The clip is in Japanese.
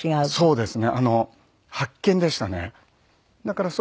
そうです。